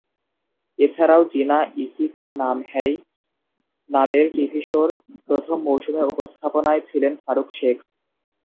এছাড়াও ‘জিনা ইসি কা নাম হ্যায়’ নামের টিভি শো’র প্রথম মৌসুমে উপস্থাপনায় ছিলেন ফারুক শেখ।